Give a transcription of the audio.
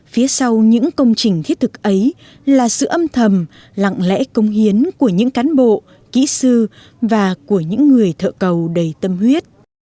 phía sau những công trình thiết thực ấy là sự âm thầm lặng lẽ công hiến của những cán bộ kỹ sư và của những người thợ cầu đầy tâm huyết